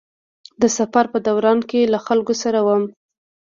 د سفر په دوران کې له خلکو سره وم.